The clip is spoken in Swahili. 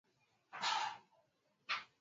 kuwa unafikiria ulipwe kiasi gani